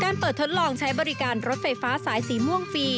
เปิดทดลองใช้บริการรถไฟฟ้าสายสีม่วงฟรี